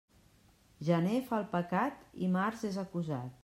Gener fa el pecat, i març és acusat.